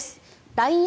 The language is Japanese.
ＬＩＮＥ